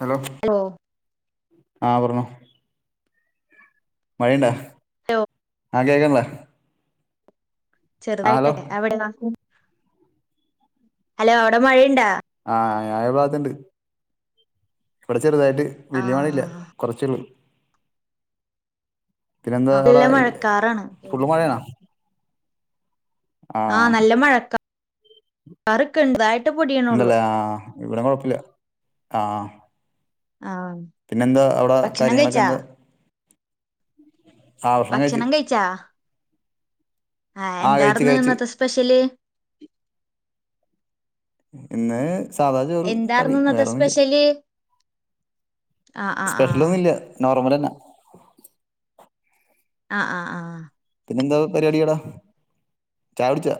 Hello ആ പറഞ്ഞോ മഴയുണ്ടാ [inaudible] ആ കേൾക്കണില്ലേ ചെറുതായിട്ടൊക്കെ അവിടെയോ ഹലോ അവിടെ മഴയുണ്ടാ ആ ഞാന് ഇ ഭാഗത്തണ്ട് ഇവിടെ ചെറുതായിട്ട് വലിയ പണിയില്ല ആഹ് കുറച്ചേള്ളു പിന്നെന്താ ആ നല്ല അവിടെ മഴക്കാറാണ് ഫുള്ള് മഴയാണോ ആ ആഹ് നല്ല മഴക്കാ റ് ക്ക് ണ്ടായി ഇണ്ടല്ലേ ആഹ ഇവിട കൊഴപ്പില്ല ആ ആഹ് പിന്നെന്താ അവിടെ ഭക്ഷണം കാര്യങ്ങളൊക്കെ കഴിച്ചാ എന്താ ആഹ് കഴിച്ച് ഭക്ഷണം കഴിച്ചാ ആ ആഹ് കഴിച്ച് എന്താർന്ന് കഴിച്ച് ഇന്നത്തെ സ്പെഷ്യല് ഇന്ന് സാധാ ചോറ് കറി എന്താർന്ന് ഇന്നത്തെ വേറൊന്നില്ല ആ ആ ആ തുമരാനാ ആ ആ ആ പിന്നെന്താ പരിപാടിയാടാ ചായ കുടിച്ചാ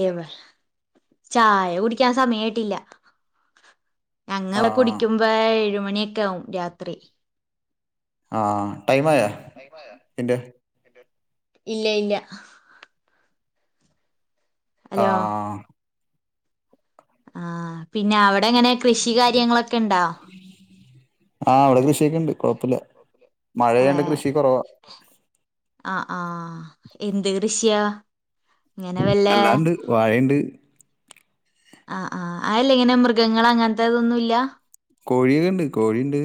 ഏവ ചായ കുടിക്കാൻ സമയായിട്ടില്ല ഞങ്ങ ആഹ് കുടിക്കുമ്പോ ഏഴുമണിയൊക്കെ ആകും രാത്രി ആ ടൈം ആയാ നിന്റെ ഇല്ല ഇല്ല ഹലോ ആാാാ ആ പിന്നെ അവിടെങ്ങനെ കൃഷി കാര്യങ്ങളൊക്കെ ഉണ്ടോ ആ ഇവിടെ കൃഷ് ഏ കൃഷി കുറവാ അ ആ എന്ത് കൃഷിയാ ഇങ്ങനെ വല്ല അല്ലാണ്ട് വാഴണ്ട് ആ ആ അല്ല ഇങ്ങനെ മൃഗങ്ങൾ അങ്ങനത്തെതൊന്നുമില്ല കോഴിയൊണ്ട് കോഴിണ്ട്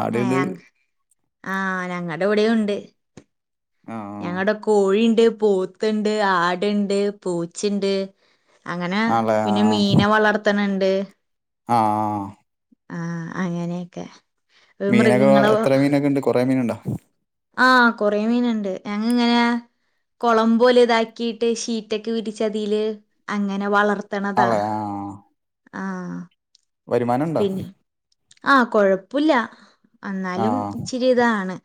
ആടണ്ട് ആ ഞങ്ങടവിടെ ഉണ്ട് ആ ഞങ്ങടെ കോഴിണ്ട് പോത്തുണ്ട് ആടുണ്ട് പൂച്ചണ്ട് അങ്ങനെ ആണല്ലേ ആ പിന്നെ മീനെ വളർത്തണുണ്ട് ആ ആ ആ അങ്ങനെയൊക്കെ ഒരു മീനൊക്കെ മൃഗങ്ങളെ എത്ര മീനൊക്കെ ഉണ്ട് കൊറെേ മീനുണ്ടോ ആ കൊറെേ മീനുണ്ട് ഞങ്ങ ഇങ്ങനെയാ കുളം പോലെ ഇതാക്കിയിട്ട് ഷീറ്റൊക്കെ വിരിച്ചതിൽ അങ്ങനെ വളർ അല്ലെ ആ ആ വരുമാനുണ്ടോ ആ കൊഴപ്പില്ല ആ എന്നാലും ഇച്ചിരി ഇതാണ്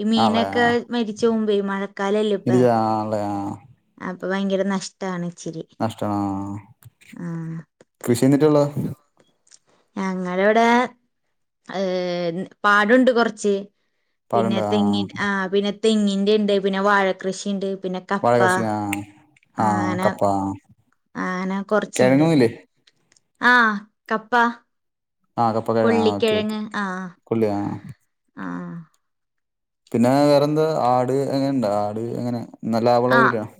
ഈ ആണല്ലേ മീനൊക്കെ മരിച്ച് പോവുമ്പ മഴക്കാലല്ലേ ഇപ്പ ഇല്ല ആണല്ലേ ആ അപ്പൊ ഭയങ്കര നഷ്ട്ടാണ് നഷ്ടമാണ് ആ കൃഷി എന്നിട്ടള്ള ഞങ്ങള് ഇവിടെ ഏ പാടുണ്ട് കുറച്ച് പിന്നെ പാടുണ്ടോ ആ തെങ്ങി ആ പിന്നെ തെങ്ങിന്റെ ഉണ്ട് പിന്നെ വാഴകൃഷിണ്ട് പിന്നെ വാഴ കപ്പ കൃഷി ആ ആ ആങ്ങനെ കപ്പ ആങ്ങനെ കൊറച്ചുണ്ട് കിഴങ്ങൊന്നുമില്ലേ ആഹ കപ്പ ആ കപ്പക്കിഴ ആ ഓക്കെ ഓക്കെ കൊള്ളിക്കിഴങ്ങ് ആ കൊല്ലിയാണോ ആ പിന്നെ വേറെന്താ ആട് അങ്ങനെണ്ട ആട് അങ്ങനെ നല്ല ലാഭമുള്ളതിട്ടിയാണോ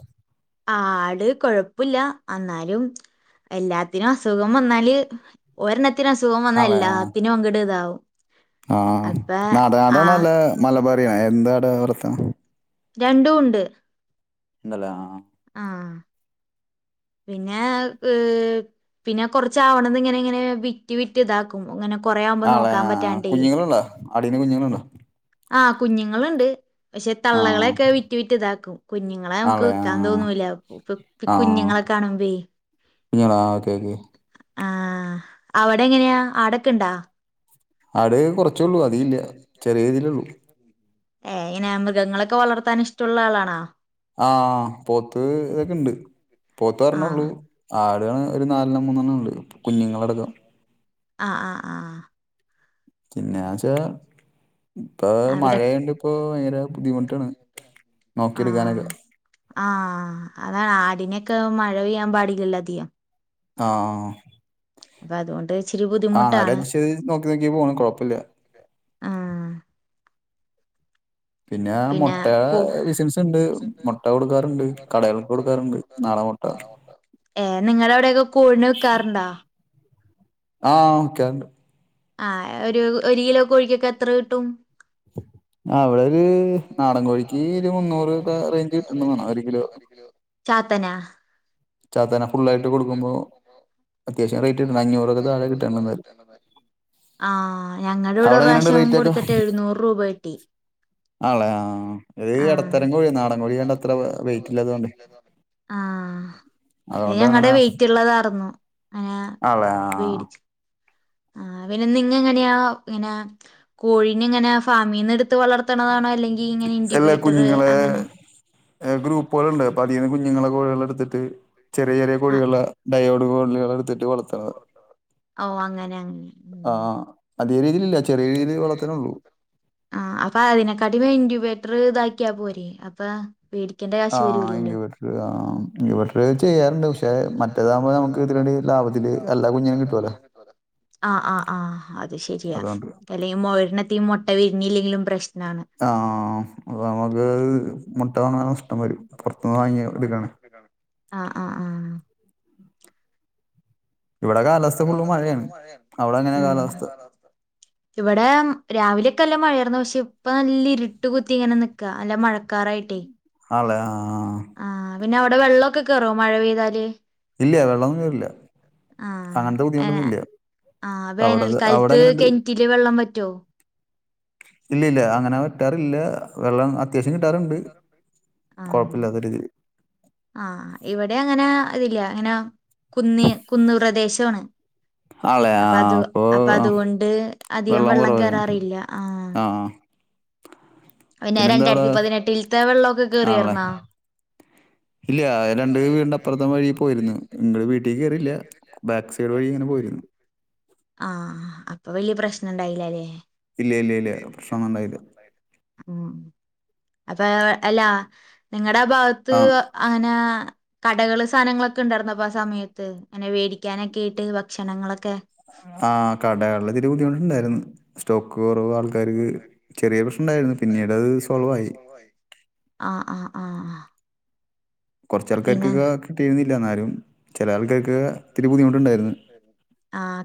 ആട് കൊഴപ്പില്ല എന്നാലും എല്ലാത്തിനും അസുഖം വന്നാല് ഒരെണ്ണത്തിന് അസുഖം വന്നാല് എല്ലാത്തിനും അങ്ങട് ഇതാവും ആഹ് അപ്പ നാടനട ആ നല്ല മലബാറിയ എന്താടവിടേ [unintelligible] രണ്ടും ഉണ്ട് എന്തല്ലേ ആഹ് ആ [inaudible] പിന്നെ ഏഹ് പിന്നെ കൊറചാവണത് ഇങ്ങനെ ഇങ്ങനെ വിറ്റ് വിറ്റ് ഇതാക്കും അങ്ങനെ ആല്ലെ കുഞ്ഞുങ്ങളുണ്ടോ ആടിന് കുഞ്ഞുങ്ങളുണ്ടോ ആഹ് കുഞ്ഞുങ്ങളുണ്ട് പക്ഷെ ആ തള്ളകളെക്കെ വിറ്റ് വിറ്റ് ഇതാക്കും കുഞ്ഞുങ്ങളെ നമുക്ക് ആളെ ആ വിക്കാൻ തോന്നൂല ഇപ്പ കുഞ്ഞുങ്ങളെ കാണുമ്പേ ഞാണോ ഓക്കേ ഒക്കെ ആ അവിടെ എങ്ങനെയാ ആടൊക്കെ ഇണ്ട ആട് കുറച്ച് ഏഹ് ഇന്നെ മൃഗങ്ങളൊക്കെ വളർ വളർത്താൻ ഇഷ്ടമുള്ള ആളാണാ ആഹ് പോത്ത് ഇതൊക്കെ ഇണ്ട് പോത്ത് ഒരാണെ ഉള്ളു ആഹ് ആ ട് ഒരു നാലെണ്ണം മൂന്നെണ്ണം ഉള്ളു കുഞ്ഞുങ്ങളടക്കം ആഹ് ആഹ് ആഹ് പിന്നെയാച്ചാ ഇപ്പൊ അവിടെ മഴയുണ്ട് ഇപ്പോ ഭയ ങ്കര ബുദ്ധിമുട്ടാണ്. നോക്കിയെടുക്കാനൊക്കെ ആഹ് ആഹ് അതാണ് ആടിനക്ക മഴ പെയ്യ [unintelligible] ആഹ് അതുകൊണ്ട് ഇച്ചിരി ആഹ് ബുദ്ധിമുട്ടാണ് ആരെട്ച്ച്നോക്കി നോക്കി പോണം കൊഴപ്പില്ല. ആഹ് പിന്നെ മൊട്ട ബിസിൻസ് ഇണ്ട്. മൊട്ട കൊടുക്കാറ്ണ്ട്. കടകൾക്ക് കൊടുക്കാറ്ണ്ട്. നാടൻ മൊ ഏഹ് നിങ്ങടെ അവിടെക്കെ കോഴിനെ വിക്കാറുണ്ടോ? ആഹ് ക്കാ ആഹ് ഒരു ഒരു കിലോ കോഴിക്കൊക്കെ എത്ര കിട്ടും? ആഹ് ഇവിടൊര് നാടൻ കോഴിക്ക് ഒരു മുന്നൂറൊക്കെ റേഞ്ച് കിട്ട്ന്ന്ണ്ട് ഒരു കിലോ. ചാത്തനാ ചാത്തേനെ ഫുള്ളായിട്ട് കൊടുക്കുമ്പോ അത്യാവശ്യം റേറ്റ് കിട്ടണം. അഞ്ഞൂറൊക്കെ താഴെ കിട്ടണ്ട് എന്തായാലും. ആഹ് ഞങ്ങടൂടെ അവിടെ എങ്ങനെയുണ്ട് ഒറാവശ്യം കൊടുത്തിട്ട് എഴുന്നൂറ് രൂപ കിട്ടി. ആള്ളേ ആഹ് ഇത് ആഹ് എടത്തരം കോഴി നാടൻ കോഴിയാണ്ട് അത്ര വെയിറ്റ് ഇല്ലാതുകൊണ്ടേ ആഹ് ഇത് അതോണ്ട് ഞങ്ങടെ അങ്ങനെ വെയിറ്റുള്ളതാർന്നു അങ്ങനെ ആണ്ല്ലേ ആഹ്. അ പിന്നെ നിങ്ങ എങ്ങനെയാ ഇങ്ങനെ കോഴീനെ ഇങ്ങന ഫാമീന്ന് എട്ത്ത് വളർത്തണതാണോ അല്ലെ ങ്കി ഇങ്ങനെ ഇങ്കുബേറ്റർ അങ്ങനെ ഗ്രൂപ്പുകള്ണ്ട്. അപ്പൊ അതീന്ന് കുഞ്ഞുങ്ങളെ കോഴികളെ എട്ത്തിട്ട് ചെറിയ ചെറിയ ആ കോഴികളെ ഡയോ കളെ അത് എട്ത്തിട്ട് വളർത്തണതാ. ഓഹ് അങ്ങനെ അങ്ങനെ ഉം. അതേ രീതിയിലില്ല ചെറിയ രീതിയിൽ വളർത്താനുള്ളൂ. ആഹ് അപ്പൊ അതിനെക്കാട്ടി ഇങ്കുബേ റ്റർ ഇതാക്കിയാ പോരെ അപ്പ വേടിക്കേണ്ട ആ കാശ് വരൂല്ലല്ലോ. ഇൻക്യുബേറ്റർ ആ ഇൻക്യുബേറ്റർ ചെയ്യാറുണ്ട്. പക്ഷേ മറ്റേതാകുമ്പോ നമുക്ക് ഇതിലൂടെ ലാഭത്തില് എല്ലാ കുഞ്ഞിനേം കിട്ടുവല്ലോ. [unintelligible] ആഹ് ആഹ് ആഹ് അത് ശരിയാ. അതുകൊണ്ട് അല്ലെങ്കിൽ [unintelligible] മുട്ട വിരിഞ്ഞല്ലെങ്കിലും പ്രശ്നം. ആഹ് അപ്പ നമുക്ക് മുട്ട വേണേൽ. ഇപ്പം വരും, പുറത്തുനിന്ന് വാങ്ങി എടുക്കണേ. ആ ആ ആ ഇവിടെ കാലാവസ്ഥ ഫുള്ള് മഴയാണ്, അവിടെ എങ്ങനെ ഉം കാലാവസ്ഥ. ഇവിടെ രാവിലെയൊക്കെ നല്ല മഴയായിരുന്നു, പക്ഷെ ഇപ്പൊ നല്ല ഇരുട്ട് കുത്തി ഇങ്ങനെ നിക്കുക നല്ല മഴ. അല്ലെ ആഹ് പിന്നെ അവിടെ വെള്ളമൊക്കെ കയറോ മഴ പെയ്താല്. ഇല്ല വെള്ളമൊന്നും കേറില്ല. ആഹ് അങ്ങനത്തെ ഏഹ് ബുദ്ധിമുട്ടൊന്നുമില്ല ആഹ് അവിടെ അവിടെ വേനൽക്കാലത്ത് എങ്ങനെയുണ്ട്. കെണറ്റില് വെള്ളം വറ്റോ? ഇല്ല ഇല്ല അങ്ങനെ വറ്റാറില്ല വെള്ളം അത്യാവശ്യം കിട്ടാറുണ്ട്. ആഹ് കൊഴപ്പില്ലാത്ത രീതിയിൽ. ആഹ് ഇവിടെ അങ്ങനെ അതില്ല, അങ്ങനെ കുന്നി കുന്നു പ്രദേശവാണ്. ആളെ ആ അപ്പൊ അത് അപ്പൊ ആ, അത് ഒണ്ട്. അധികം വെള്ളം കേറാറില്ല ആഹ്. ആ പിന്നെ പിന്നെന്താ അവിടെ രണ്ടായിരത്തി പതിനെട്ടിലെത്തെ വെള്ളമൊക്കെ ആണല്ലേ കേറിയായിരുന്നോ? ഇല്ല രണ്ടു വീടിന്റെ അപ്പുറത്തെ വഴി പോയിരുന്നു ഞങ്ങടെ വീട്ടിൽ. വീട്ടിൽ കയറിയില്ല ബാക്ക് സൈഡ് വഴി പോയിരുന്നു ആഹ് അപ്പൊ വലിയ പ്രശ്നം. പ്രശ്നമുണ്ടായിരുന്നില്ലല്ലോ. ഇല്ല ഇല്ല ഇല്ല പ്രശ്നൊന്നും ഉണ്ടായില്ല. ഉം അപ്പൊ അല്ല നിങ്ങളുടെ ആഹ് ഭാഗത്ത് ആ അങ്ങനെ. കടകൾ സാധനങ്ങളൊക്കെ ഉണ്ടായിരുന്നോ അപ്പോ ആഹ് സമയത്ത്, അങ്ങനെ മേടിക്കാനൊക്കെ ആയിട്ട് ഭക്ഷണങ്ങളൊക്കെ. ആഹ് കടകളിലെ ഇത്തിരി ബുദ്ധിമുട്ട് ഉണ്ടായിരുന്നു, സ്റ്റോക്ക് കുറവ് ആൾക്കാർക്ക്. ചെറിയ പ്രശ്നയുണ്ടായിരുന്നു പിന്നീട് സോൾവ് ആയി, ആഹ് ആഹ് ആഹ്. കുറച്ച് ആൾക്കാർക്ക് പിന്നെ ഒക്കെ കിട്ടിയിരുന്നില്ല, എന്നാലും ചില ആൾക്കാർക്ക് കി ബുദ്ധിമുട്ടുണ്ടായിരുന്നു ആഹ്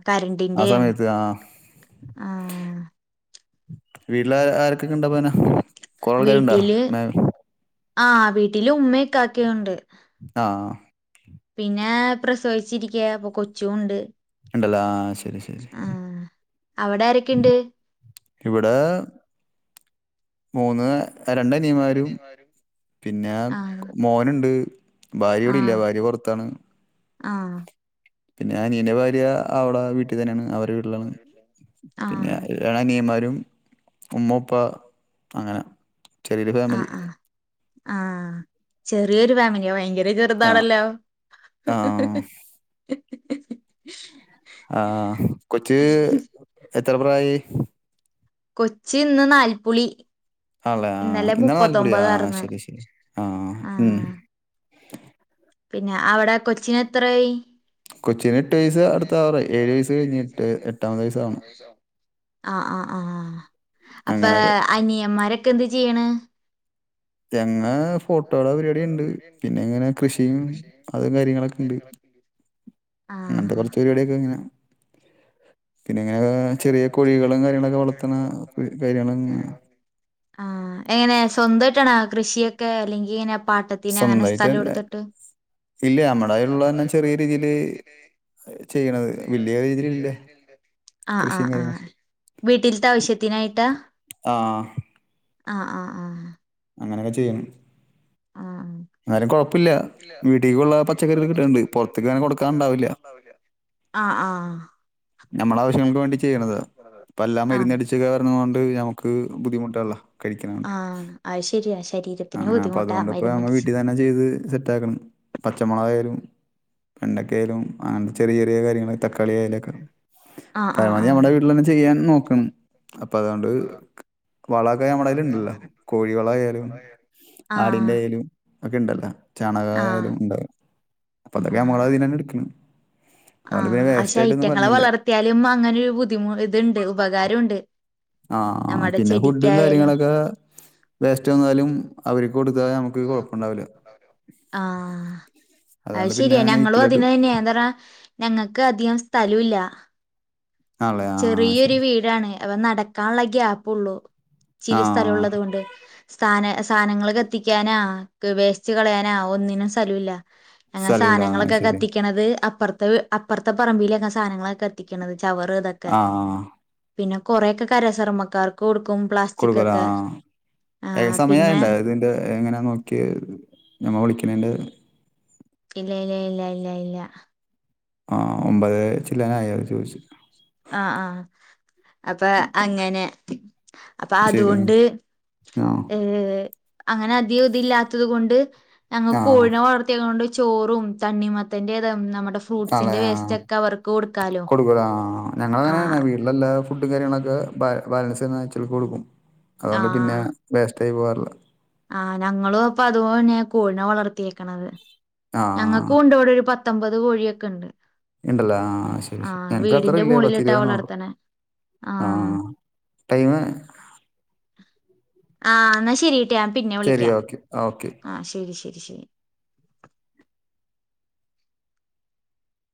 ആ കരണ്ടിന്റെയും സമയത്ത് ആഹ് ആഹ് വീട്ട് ല് ആരൊക്കെക്കെണ്ട് അപ്പങ്ങനെ കൊറേൾക്കാര്ണ്ടോ? വീട്ടില് പിന്നെ ആഹ് വീട്ടില് ഉമ്മിം ഇക്കക്കിണ്ട്. ആഹ് പിന്നെ പ്രസവിച്ചിരിക്ക അപ്പൊ കൊച്ചുണ്ട്. ഇണ്ട് ല്ലെ ആഹ് ശെരി ശെരി അവടാരെക്കെണ്ട്? ഇവിടെ മൂന്ന് രണ്ടനിയന്മാരും പിന്നെ ആഹ് മോന്ണ്ട്. ഭാര്യ വടെല്ല ആഹ് ഭാര്യ പൊറത്താണ്. ആഹ് പിന്നെ അനിയന്റെ ഭാര്യ അവളെ വീട്ടി തന്നെണ്. അവരെ വീട്ടിലാണ് പിന്നെ ആഹ് എഹ് [unintelligible] അനിയന്മാരും ഉമ്മ ഉപ്പ അങ്ങനെ ചെറിയൊരു ഫാമിലി. ആഹ് ആഹ് ആഹ് ചെറിയൊരു ഫാമില്യോ ഭയങ്ക നീ ആ ചെർതാണല്ലോ. ആ ആഹ് കൊച്ച് എത്ര പ്രായി? കൊച്ചി ന്ന് നാൽപ്പുളി. ആണല്ലേ ആ ഇന്നലെ ഇന്നാണ് നാൽക്കുടി ആ മുപ്പത്തൊമ്പതാര്ന്ന് ശരി ശരി ആ ഉം. ആഹ് ഞ അവടെ കൊച്ചിനെത്രായി? കൊച്ചിന് എട്ട് വയസ്സ് അട്ത്താവാറായിഏഴു വയസ്സ് കഴിഞ്ഞ് ട്ട് എട്ടാമത്തെ വയസാകുന്നു. ആഹ് ആഹ് ആഹ് അപ്പ അങ്ങനെയൊക്കെ അനിയമ്മാരൊക്കെ എന്ത് ചെയ്യ്ണ്? തെങ്ങ് ഓട്ടോടെ പരിവാടി ണ്ട് പിന്നെ ങ്ങനെ കൃഷിയും അതും കാര്യങ്ങളൊക്കെണ്ട്. നിൻ്റെ [unintelligible] ആഹ് ത്ത പരിവാട്യൊക്കെ ഇങ്ങനാ പിന്നെ ഇങ്ങനെ ചെറിയ കോഴികളും കാര്യങ്ങളൊക്കെ വളർത്തണ [unintelligible] ആഹ് എങ്ങനെ സ്വന്തയിട്ടണ കൃഷിയൊക്കെ അല്ലെങ്കി ഇങ്ങനെ പാട്ടത്തിന് അങ്ങനെ സ്വന്തമായിട്ട് സ്ഥലം എടുത്തിട്ട് ഇല്ല നമ്മടെ കയ്യിൽള്ളന്നെ ചെറിയ രീതിയില് ചെയ്യണത് വല്യ രീതിയിലില്ല. ആഹ് ആഹ് കൃഷിയും കാര്യങ്ങളും. ആഹ് വീട്ടിലത്തെ ആവശ്യത്തിനായിട്ടാ ആ ആഹ് ആഹ് ആഹ് അങ്ങനെയൊക്കെ ചെയ്യ്ണ് ആഹ് [inaudible] ഇന്നാലും കുഴപ്പല്ല വീട്ടിക്കുള്ള പച്ചക്കറികൾ കിട്ടുണുണ്ട് പുറത്തേക്ക് അങ്ങനെ കൊടുക്കാൻ ണ്ടാവില്ല ആഹ് ആഹ് നമ്മളെ ആവശ്യങ്ങൾക്ക് വേണ്ടി ചെയ്യണതാ ഇപ്പ എല്ലാ ആഹ് മരുന്നടിച്ച വരുന്നോണ്ട് നമുക്ക് ബുദ്ധിമുട്ട് ട്ടള്ള ആഹ് അയ് ശരിയാ ശരി അങ്ങനെ അപ്പൊ അതു കൊണ്ട് പ്പോ നമ്മ വീട്ടിൽ തന്നെ ചെയ്ത് സെറ്റ് ആക്കണ് പച്ചമുളകയാലും പണ്ടക്കെയാലും അ ചെറിയ ചെറിയ കാര്യങ്ങള തക്കാളി ആയലൊക്കെ ആഹ് ആഹ് പരമാവധി ആഹ് നമ്മടെ വീട്ടിൽ തന്നെ ചെയ്യാൻ നോക്കണ് അപ്പൊ അതൊണ്ട് വളക്കെ നമ്മടെ കയ്യില് ഇണ്ടല്ലോ കോഴി വളായാലും ആടിന്റെ ആഹ് ആയാലും ഒക്കെ ഇണ്ടല്ലോ. ആഹ് ചാണകായാലും ഉണ്ടാല്ലോ അപ്പൊ അതൊക്കെ ആഹ് നമ്മളതീന്ന് തന്നെ എടുകണ് ആഹ് ആ ശൈത്ത്യങ്ങളെ വളർത്തിയാലും അങ്ങനെരു ബുദ്ധിമു ഇതുണ്ട് ഉപകാരൊണ്ട് ആഹ് ആഹ് പിന്നെ ഫുഡും കാര്യങ്ങളൊക്കെ വേസ്റ്റ് വന്നാലും അവര് കൊടുത്താ നമുക്ക് കൊഴപ്പുണ്ടാവില്ല ആഹ് അത് ശരിയാ ഞങ്ങളും അതിന് തന്നെയാ എന്താണ് ഞങ്ങൾക്ക് അധികം സ്ഥലം ഇല്ല ആണല്ലേ ആ ചെറിയൊരു ശരി വീടാണ് അവൻ നടക്കാനുള്ള ഗ്യാപ്പുള്ളൂ ഇച്ചിരി സ്ഥലം ആഹ് ഉള്ളത് കൊണ്ട് സ്ഥാന സാധനങ്ങൾ കത്തിക്കാനാ വേസ്റ്റ് കളയാനാ ഒന്നിനും സ്ഥലം ഇല്ല അങ്ങെനെ സ്ഥലല്ല ആഹ് സാധനങ്ങളൊക്കെ ശരി. കത്തിക്കണത് അപ്പറ അപ്പുറത്തെ പറമ്പില സാധനങ്ങളൊക്കെ കത്തിക്കണത് ചവറ് ആ ആ ആ കൊറെക്കെ കരസർമക്കാർക്ക് കൊടുക്കും പ്ലാസ്റ്റിക്കൊക്കെ ഏ സമയൊണ്ടോ ഇതിന്റെ എങ്ങനാ നോക്കി ഞമ്മ വിളിക്കണേണ്ട് ഇല്ല ഇല്ല ഇല്ല ഇല്ല ഇല്ല ആ ഒമ്പത് ചില്ലാനാ ആയോന്ന് ചോദിച്ചു ആ ആ അപ്പൊ അങ്ങനെ അപ്പൊ ശരി അതുകൊണ്ട് ആഹ് ഏ അങ്ങനെ അധികം ഇതില്ലാത്തത് കൊണ്ട് ഞങ്ങൾ ആഹ് കോഴിനെ വളർത്തിയെക്കണ കൊണ്ട് ചോറും തണ്ണിമത്തന്റേതു അണല്ലേ ആ ആ കൊടുക്കാലോ കൊടുക്കൂലേ ആ ആ ഞങ്ങളങ്ങനെയാണ് ആഹ് വീട്ടിലെല്ലാ ഫുഡും കാര്യങ്ങളൊക്കെ ബാ ബാലൻസ് വന്നാ [unintelligible] കൊടുക്കും അതുകൊണ്ട് പിന്നെ വേസ്റ്റായി പോകാറില്ല ആ ഞങ്ങളും അപ്പൊ അതുപപോലെ തന്നെയാ കോഴിനെ വളർത്തിയേ ക്കണത് ആഹ് ഞങ്ങൾക്കുവുണ്ട് ഇവിടെ ഒരു പത്തൊമ്പത് കോഴിയൊക്കെ ഉണ്ട് ഇണ്ടല്ല ആ ശരി ശരി ആഹ് ഞങ്ങക്ക് അത്ര വീടിന്റെ ഇല്ല മോളിലിട്ടാ പത്തിരൂപതെണ്ണേ ഉള്ളു വളർത്തണേ ആ ആഹ് ടൈമ് ആ എന്നാ ശരിട്ടായ്‌ ഞാൻ പിന്നെ ശരി വിളിക്കാം ഓക്കെ ഓക്കെ. ആ ശരി ശരി ശരി